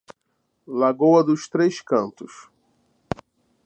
Lagoa dos Três Cantos